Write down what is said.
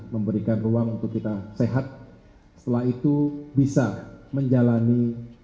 memberikan ruang untuk kita sehat setelah itu bisa menjalani